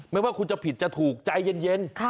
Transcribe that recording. ไม่ว่าคุณจะผิดจะถูกใจเย็น